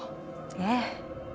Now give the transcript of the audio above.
ええ。